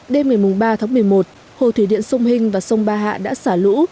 đêm ngày ba tháng một mươi một hồ thủy điện sông hinh và sông ba hạ đã xả lũ